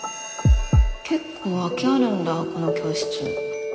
結構空きあるんだこの教室。